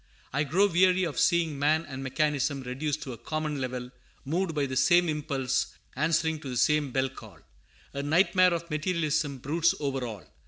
I grow weary of seeing man and mechanism reduced to a common level, moved by the same impulse, answering to the same bell call. A nightmare of materialism broods over all.